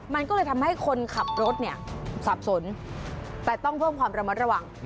มันก็เลยทำให้คนขับรถเนี่ยสับสนแต่ต้องเพิ่มความระมัดระวัง